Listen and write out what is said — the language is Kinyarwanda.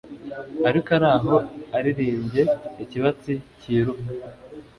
Ariko araho iyo aririmbye ikibatsi kiruka